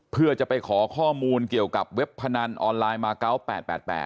เพื่อจะไปขอข้อมูลเกี่ยวกับเว็บพนันออนไลน์มาเกาะ๘๘